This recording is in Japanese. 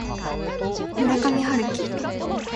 村上春樹